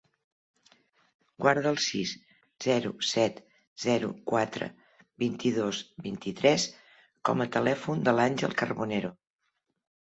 Guarda el sis, zero, set, zero, quatre, vint-i-dos, vint-i-tres com a telèfon de l'Àngel Carbonero.